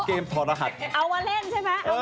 เอามาเล่นใช่ป้ะ